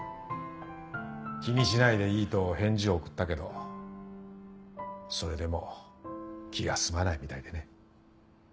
気にしないでいいと返事を送ったけどそれでも気が済まないみたいでね。